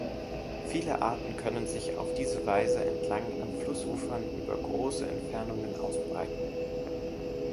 Viele Arten können sich auf diese Weise entlang an Flussufern über große Entfernungen ausbreiten.